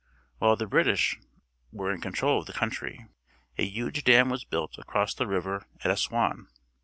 While the British, were in control of the country, a huge dam was built across the river at Assuan